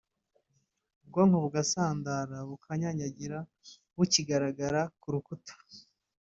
ubwonko bugasandara bukanyanyagira bukigaragara ku rukuta